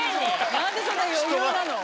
何でそんな余裕なの？